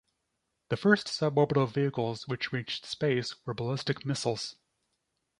The first sub-orbital vehicles which reached space were ballistic missiles.